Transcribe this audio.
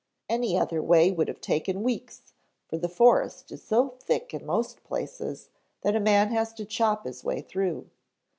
Any other way would have taken weeks, for the forest is so thick in most places that a man has to chop his way through.